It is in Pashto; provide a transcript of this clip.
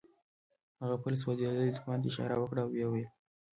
هغه خپل سوځېدلي دوکان ته اشاره وکړه او ويې ويل.